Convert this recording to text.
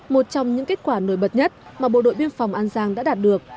một trong những kết quả nổi bật nhất mà bộ đội biên phòng an giang đã đạt được